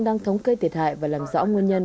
đang thống kê thiệt hại và làm rõ nguyên nhân